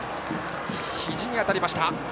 ひじに当たりました。